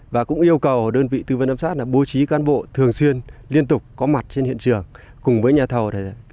và cũng yêu cầu đơn vị tư vấn giám sát bố trí cán bộ thường xuyên liên tục có mặt trên hiện trường cùng với nhà thầu